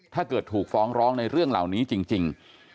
ถ้าเกิดถูกฟ้องร้องในเรื่องเหล่านี้จริง